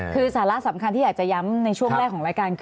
คือสาระสำคัญที่อยากจะย้ำในช่วงแรกของรายการคือ